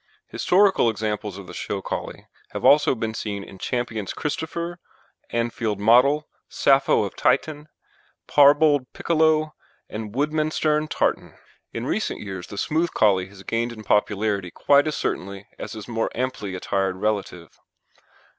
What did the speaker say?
Historical examples of the show Collie have also been seen in Champions Christopher, Anfield Model, Sappho of Tytton, Parbold Piccolo, and Woodmanstern Tartan. In recent years the smooth Collie has gained in popularity quite as certainly as his more amply attired relative.